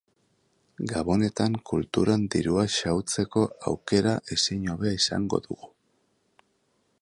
Gabonetan kulturan dirua xahutzeko aukera ezin hobea izango dugu.